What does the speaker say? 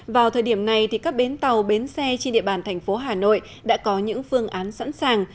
vào thời điểm này các bến tàu bến xe trên địa bàn thành phố hà nội đã có những phương án sẵn sàng